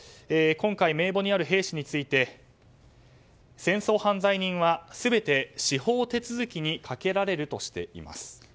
今回、名簿にある兵士について戦争犯罪人は全て司法手続きにかけられるとしています。